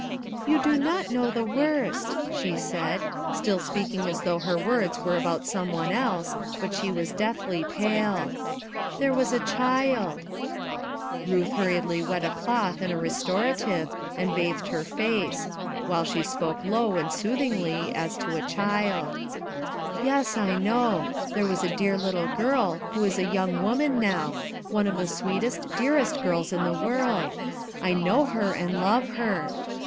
"You do not know the worst," she said, stilt speaking as though her words were about some one else; but she was deathly pale. "There was a child." 352 RUTH EliSKlNE«S SON ttulh hurriedly wet a doth in a Tcst bathed her face, while she spoke lowTT^ ingly, as to a child, d s °oth "Ycs, I know; there was a dear li ttl who is a young woman now,— one of the ^ dearest girls in the world. I know^ 1 ' love her.